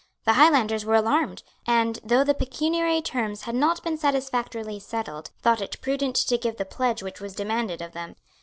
The Highlanders were alarmed, and, though the pecuniary terms had not been satisfactorily settled, thought it prudent to give the pledge which was demanded of them.